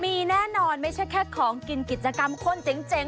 มีแน่นอนไม่ใช่แค่ของกินกิจกรรมข้นเจ๋ง